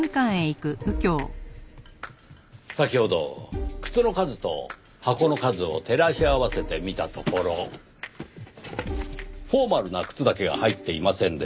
先ほど靴の数と箱の数を照らし合わせてみたところフォーマルな靴だけが入っていませんでした。